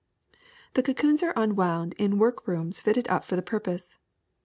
The cocoons are unwound in workrooms fitted up for the purpose.